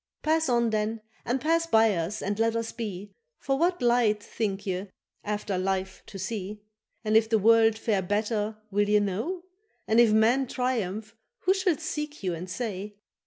—Pass on then and pass by us and let us be, For what light think ye after life to see? And if the world fare better will ye know? And if man triumph who shall seek you and say?